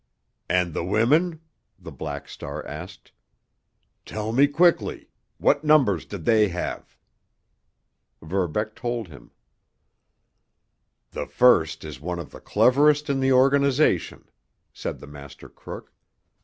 "And the women?" the Black Star asked. "Tell me quickly! What numbers did they have?" Verbeck told him. "The first is one of the cleverest in the organization," said the master crook.